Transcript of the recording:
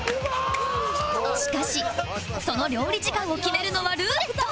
しかしその料理時間を決めるのはルーレット